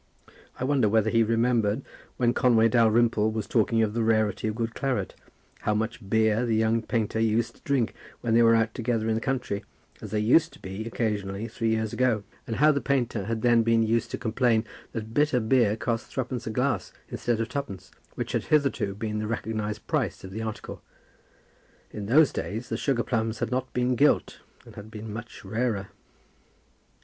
I wonder whether he remembered, when Conway Dalrymple was talking of the rarity of good claret, how much beer the young painter used to drink when they were out together in the country, as they used to be occasionally, three years ago; and how the painter had then been used to complain that bitter beer cost threepence a glass, instead of twopence, which had hitherto been the recognized price of the article. In those days the sugar plums had not been gilt, and had been much rarer.